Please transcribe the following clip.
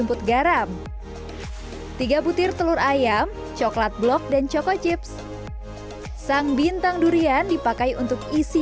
rumput garam tiga butir telur ayam coklat blok dan choco chips sang bintang durian dipakai untuk isi